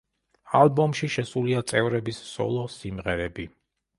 ალბომში შესულია წევრების სოლო სიმღერები.